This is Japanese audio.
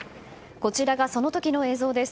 こちらが、その時の映像です。